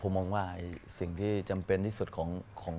ผมมองว่าสิ่งที่จำเป็นที่สุดของ